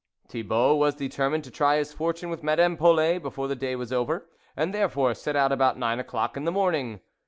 Thibault was determined to try his fortune with Madame Polet before the day was over, and therefore set out about nine o'clock in the morning.